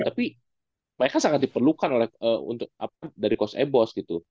tapi mereka sangat diperlukan dari coach eborz gitu